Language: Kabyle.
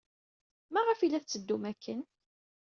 Maɣef ay la tetteddum akken?